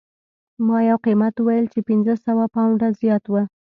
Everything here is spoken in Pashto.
ما یو قیمت وویل چې پنځه سوه پونډه زیات و